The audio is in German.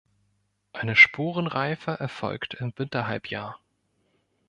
Eine Sporenreife erfolgt im Winterhalbjahr.